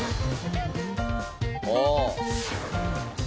ああ。